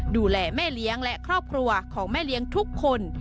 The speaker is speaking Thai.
ดูแลแม่เลี้ยงและครอบครัวของแม่เลี้ยงทุกคน